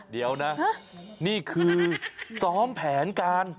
เดี๋ยวนะนี่คือซ้อมแผนการ